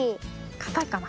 かたいかな？